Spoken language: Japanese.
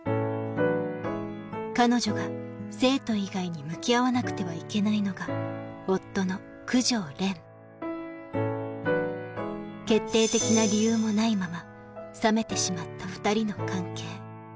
彼女が生徒以外に向き合わなくてはいけないのが決定的な理由もないまま冷めてしまった２人の関係